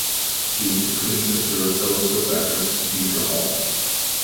She is the twin sister of fellow soap actress, Deidre Hall.